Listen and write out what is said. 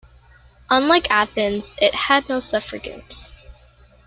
Unlike Athens, it had no suffragans.